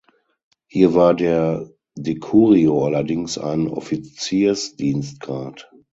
Hier war der Decurio allerdings ein Offiziersdienstgrad.